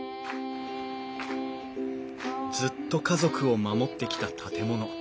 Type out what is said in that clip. ずっと家族を守ってきた建物。